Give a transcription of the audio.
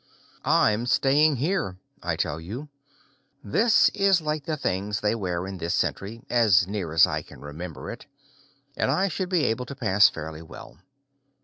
"I'm staying here," I tell you. "This is like the things they wear in this century, as near as I can remember it, and I should be able to pass fairly well.